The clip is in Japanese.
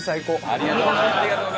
ありがとうございます！